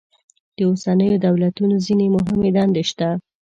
د اوسنیو دولتونو ځینې مهمې دندې شته.